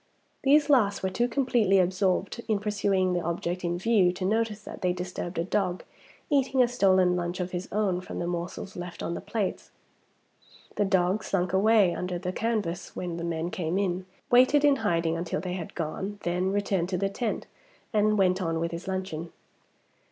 These last were too completely absorbed in pursuing the object in view to notice that they disturbed a dog, eating a stolen lunch of his own from the morsels left on the plates. The dog slunk away under the canvas when the men came in, waited in hiding until they had gone, then returned to the tent, and went on with his luncheon.